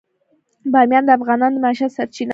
بامیان د افغانانو د معیشت سرچینه ده.